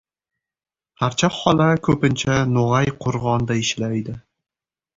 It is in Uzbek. Parcha xola ko‘pincha No‘g‘ayqo‘rg‘onda ishlaydi.